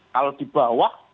kalau di bawah masih banyak orang